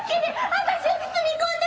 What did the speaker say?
私を包み込んで！